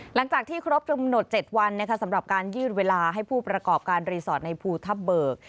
หลังจากที่ครบกำหนด๗วันสำหรับการยื่นเวลาให้ผู้ประกอบการรีสอร์ทในภูทับเบิก